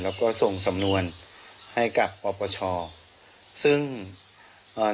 แล้วก็ส่งสำนวนให้กับปปชซึ่งเอ่อ